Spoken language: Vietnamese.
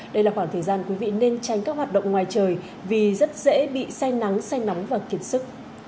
đây là khoảng thời gian quý vị nên tránh các hoạt động ngoài trời vì rất dễ bị say nắng say nóng và kiệt sức